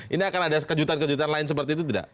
ini akan ada kejutan kejutan lain seperti itu tidak